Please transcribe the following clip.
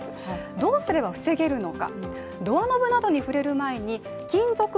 どうすれば防げるのか。